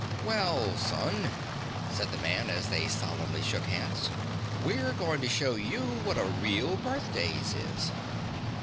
"Well, son," said the man as they solemnly shook hands, "we're going to show you what a real birthdays is."